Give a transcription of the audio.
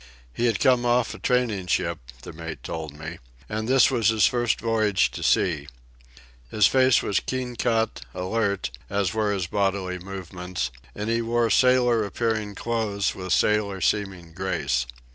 He had come off a training ship, the mate told me, and this was his first voyage to sea. His face was keen cut, alert, as were his bodily movements, and he wore sailor appearing clothes with sailor seeming grace.